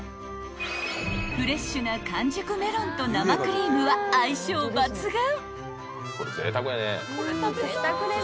［フレッシュな完熟メロンと生クリームは相性抜群］